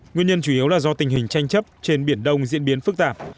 nguyên nhân chủ yếu là do tình hình tranh chấp trên biển đông diễn biến phức tạp